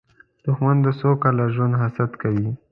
دښمن د سوکاله ژوند حسد کوي